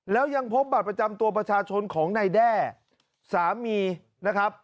แล้วยังพบบัตรประจำตัวประชาชนของนายแด้สามีนะครับ